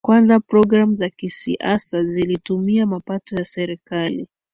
kwanza programu za kisiasa zilitumia mapato ya serikali